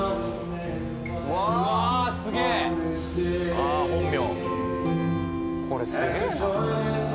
・あ本名。